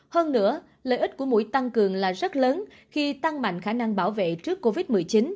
hơn nữa lợi ích của mũi tăng cường là rất lớn khi tăng mạnh khả năng bảo vệ trước covid một mươi chín